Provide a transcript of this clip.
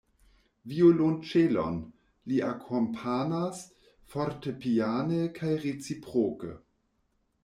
Violonĉelon; li akompanas fortepiane kaj reciproke.